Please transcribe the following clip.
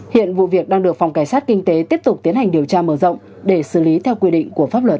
hiện vụ việc đang được phòng cảnh sát kinh tế tiếp tục tiến hành điều tra mở rộng để xử lý theo quy định của pháp luật